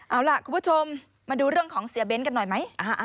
เอาล่ะคุณผู้ชมมาดูเรื่องของเสียเบ้นกันหน่อยไหม